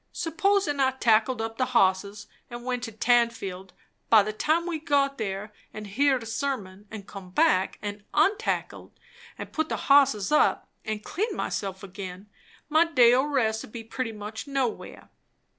Suppos'n' I tackled up the bosses and went to Tanfield; by the time we got there, and heerd a sermon, and come back, and untackled, and put the hosses up and cleaned myself again, my day o' rest 'ud be pretty much nowhere.